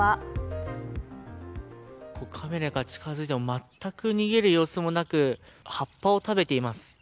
カメラが近づいてもまったく逃げる様子もなく葉っぱを食べています。